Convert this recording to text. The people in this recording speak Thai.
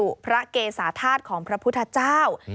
ที่บรรจุพระเกษาธาตุของพระพุทธเจ้า